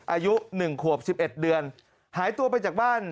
อายุ๑ขวบ๑๑เดือนหายตัวไปจากบ้าน